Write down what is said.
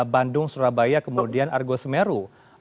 bandung surabaya kemudian argo semeru